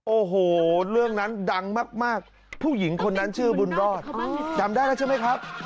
โอ้โหเรื่องนั้นดังมากผู้หญิงคนนั้นชื่อบุญรอดจำได้แล้วใช่ไหมครับ